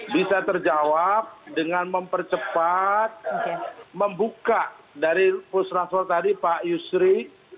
bisa terjawab dengan mempercepat membuka dari pus rasul tadi pak yusri